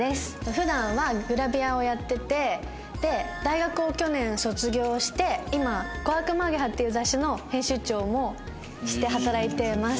普段はグラビアをやっていてで大学を去年卒業して今『小悪魔ａｇｅｈａ』っていう雑誌の編集長もして働いてます。